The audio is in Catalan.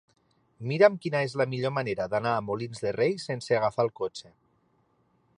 Mira'm quina és la millor manera d'anar a Molins de Rei sense agafar el cotxe.